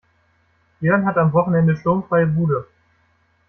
Jörn hat am Wochenende sturmfreie Bude.